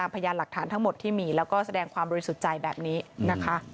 พยานหลักฐานทั้งหมดที่มีแล้วก็แสดงความบริสุทธิ์ใจแบบนี้นะคะ